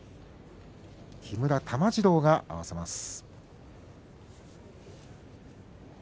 木村玉治郎が合わせます。